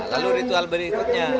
lalu ritual berikutnya